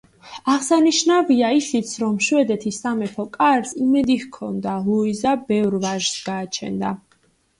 აღსანიშნავია ისიც, რომ შვედეთის სამეფო კარს იმედი ჰქონდა ლუიზა ბევრ ვაჟს გააჩენდა.